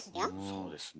そうですね。ね。